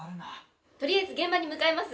とりあえず現場に向かいます。